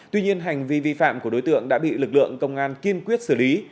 tuy nhiên hành vi vi phạm của đối tượng đã bị lực lượng công an kiên quyết xử lý